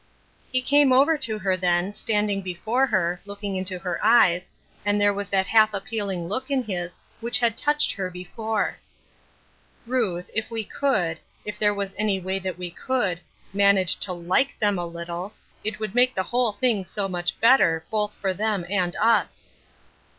He came over to her then, standing before her, looking into her eyes, and there was that half appealing look in his which had touched her be fore. "Ruth, if we could — if there was any way that we could — manage to like them a little, it would make the whole thing so much better, both for them and us."